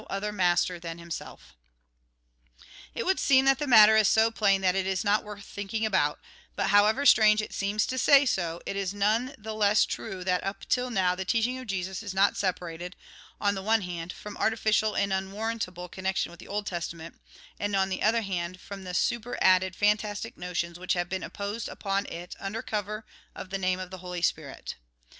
l6 THE GOSPEL IN BRIEF It would seem that the matter is so plain that it is not worth thinking about ; but however strange it seems to say so, it is none the less true that up till now the teaching of Jesus is not separated, on the one hand, from artificial and unwarrantable connection with the Old Testament, and, on the other hand, from the superadded fantastic notions which have been imposed upon it under cover of the name of the Holy Spirit.